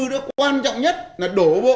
đó quan trọng nhất là đổ bộ